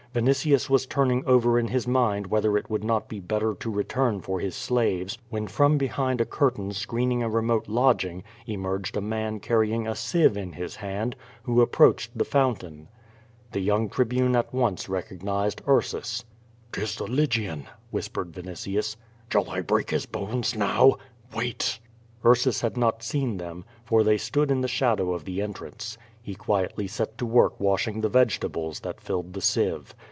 Vinitius was turn ing over in his mind whether it would not be better to return for his slaves, when from behind a curtain screening a remote lodging, emerged a man carrying a sieve in his hand, who ap proached the fountain. The young Tribune at once recognized Ursus. " ^Tis the Lygian," whispered Vinitius. "Shall I break his bones now?'^ "Wait!'^ Ursus had not seen them, for they stood in the shadow of the entrance. He quietly set to work washing the vegetables that filled the sieve.